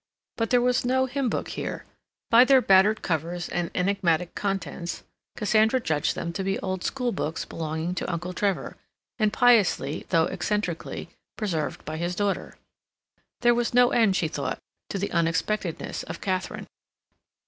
But there was no hymn book here. By their battered covers and enigmatical contents, Cassandra judged them to be old school books belonging to Uncle Trevor, and piously, though eccentrically, preserved by his daughter. There was no end, she thought, to the unexpectedness of Katharine.